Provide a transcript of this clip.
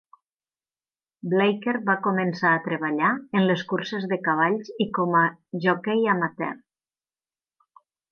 Blacker va començar a treballar en les curses de cavalls i com a joquei amateur.